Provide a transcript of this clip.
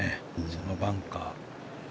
そのバンカー。